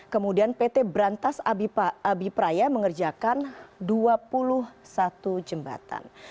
kemudian pt berantas abipraya mengerjakan dua puluh satu jembatan